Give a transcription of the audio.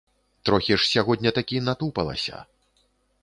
Трохі ж сягоння такі натупалася.